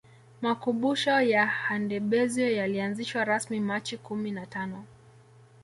Makubusho ya Handebezyo yalianzishwa rasmi Machi kumi na tano